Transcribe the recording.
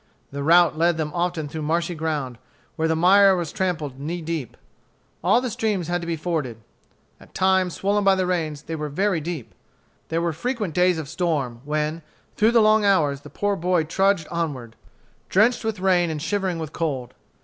The route led them often through marshy ground, where the mire was trampled knee deep. All the streams had to be forded. At times, swollen by the rains, they were very deep. There were frequent days of storm, when, through the long hours, the poor boy trudged onward, drenched with rain and shivering with cold.